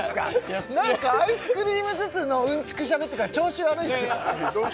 何かアイスクリーム頭痛のうんちくしゃべってから調子悪いっすよ？